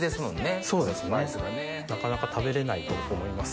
なかなか食べれないと思います。